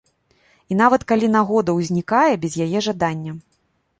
І нават калі нагода ўзнікае без яе жадання.